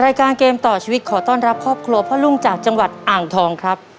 รายการเกมต่อชีวิตขอต้อนรับครอบครัวพ่อลุงจากจังหวัดอ่างทองครับ